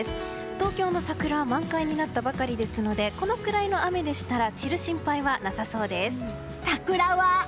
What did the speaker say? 東京の桜満開になったばかりですのでこのくらいの雨でしたら散る心配はなさそうです。